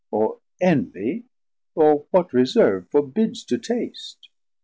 60 Or envie, or what reserve forbids to taste?